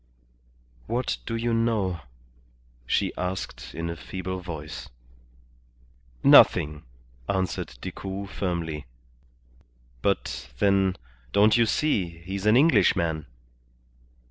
"What do you know?" she asked in a feeble voice. "Nothing," answered Decoud, firmly. "But, then, don't you see, he's an Englishman?"